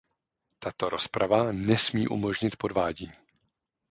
Tato rozprava nesmí umožnit podvádění.